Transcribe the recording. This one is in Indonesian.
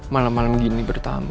malem malem gini bertamu